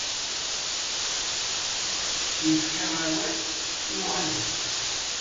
Yefka awal, yuɣal deg-s.